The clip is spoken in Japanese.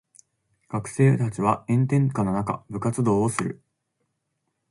学生たちは炎天下の中部活動をする。